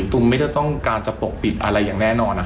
ตุมไม่ได้ต้องการจะปกปิดอะไรอย่างแน่นอน